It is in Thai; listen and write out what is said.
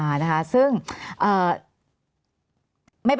การรู้รักษามคีย์ของคนในชาติ